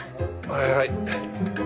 はいはい。